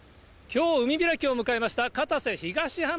きょう、海開きを迎えました、片瀬東浜